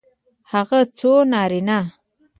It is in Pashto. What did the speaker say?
هغه څو نارینه